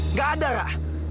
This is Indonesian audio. nggak ada rek